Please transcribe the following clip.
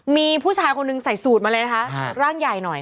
มีผู้ชายคนหนึ่งใส่สูตรมาเลยนะคะร่างใหญ่หน่อย